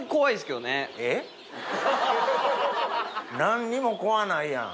何にも怖ないやん。